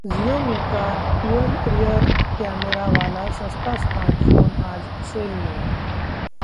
Xiaomi का dual rear camera वाला सस्ता स्मार्टफोन आज सेल में